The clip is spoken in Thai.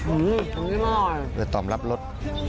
อื้ออันนี้อร่อยเปิดตอมรับรส